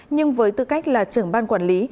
nhưng với tư cách là trưởng ban quản lý